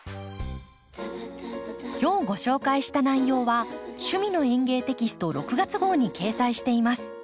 今日ご紹介した内容は「趣味の園芸」テキスト６月号に掲載しています。